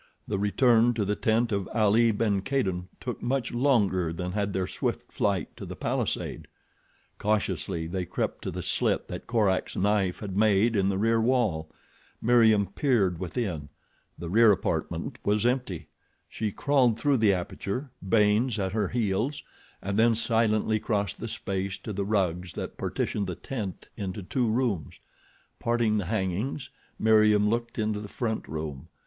The return to the tent of Ali ben Kadin took much longer than had their swift flight to the palisade. Cautiously they crept to the slit that Korak's knife had made in the rear wall. Meriem peered within—the rear apartment was empty. She crawled through the aperture, Baynes at her heels, and then silently crossed the space to the rugs that partitioned the tent into two rooms. Parting the hangings Meriem looked into the front room.